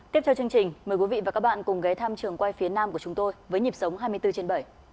tiếp theo chương trình mời quý vị và các bạn cùng ghé thăm trường quay phía nam của chúng tôi với nhịp sống hai mươi bốn trên bảy